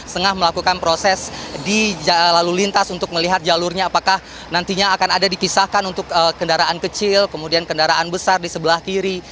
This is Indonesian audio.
tengah melakukan proses di lalu lintas untuk melihat jalurnya apakah nantinya akan ada dikisahkan untuk kendaraan kecil kemudian kendaraan besar di sebelah kiri